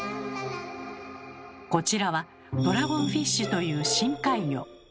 こちらはドラゴンフィッシュという深海魚。